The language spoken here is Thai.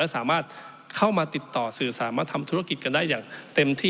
สามารถเข้ามาติดต่อสื่อสามารถทำธุรกิจกันได้อย่างเต็มที่